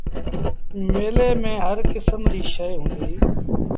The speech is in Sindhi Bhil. ميلي ميݩ هر ڪسم ريٚ شئي هُݩديٚ۔